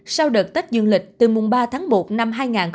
sau đợt tách dương lịch từ mùng ba tháng một năm hai nghìn hai mươi hai